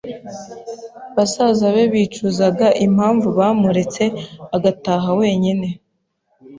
Basaza be bicuzaga impamvu bamuretse agataha wenyine